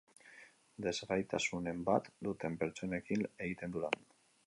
Desgaitasunen bat duten pertsonekin egiten du lan.